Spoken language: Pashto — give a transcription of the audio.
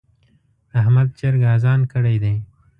د احمد چرګ اذان کړی دی.